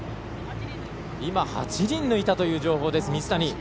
今、８人抜いたという情報です、水谷。